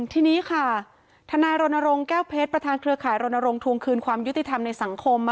ทีนี้ค่ะทนายรณรงค์แก้วเพชรประธานเครือข่ายรณรงค์ทวงคืนความยุติธรรมในสังคม